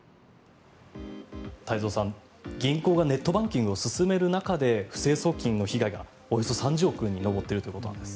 太蔵さん、銀行がネットバンキングを進める中で不正送金の被害がおよそ３０億円に上っているということです。